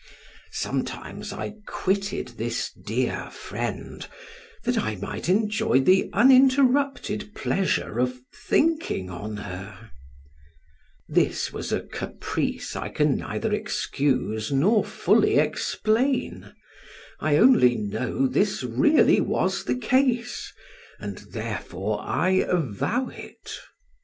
Sometimes I quitted this dear friend, that I might enjoy the uninterrupted pleasure of thinking on her; this was a caprice I can neither excuse nor fully explain, I only know this really was the case, and therefore I avow it.